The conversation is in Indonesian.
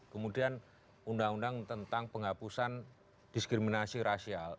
kemudian undang undang tentang penghapusan diskriminasi rasial